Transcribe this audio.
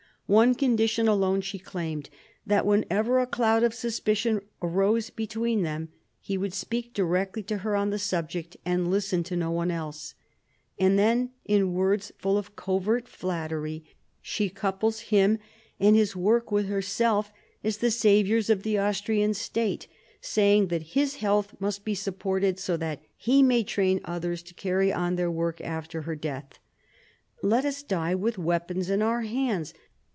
One condition alone she claimed, that, whenever a cloud of suspicion rose between them, he would speak direct to her on the subject, and listen to no one else. And then, in words full of covert flattery, she couples him and his work with herself, as the saviours of the Austrian State, saying that his health must be supported so that he may train others to carry on their work after her death. "Let us die with weapons in our hands.